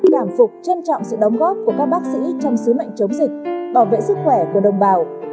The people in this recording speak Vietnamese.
cảm phục trân trọng sự đóng góp của các bác sĩ trong sứ mệnh chống dịch bảo vệ sức khỏe của đồng bào